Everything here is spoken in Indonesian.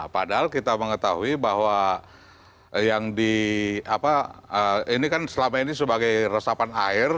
padahal kita mengetahui bahwa yang di apa ini kan selama ini sebagai resapan air